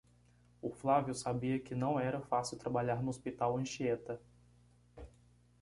O Flávio sabia que não era fácil trabalhar no Hospital Anchieta.